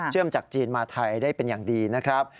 จากจีนมาไทยได้เป็นอย่างดีนะครับ